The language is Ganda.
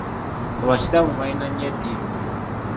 Abasiraamu balina nnyo eddiini